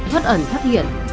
thoát ẩn phát hiện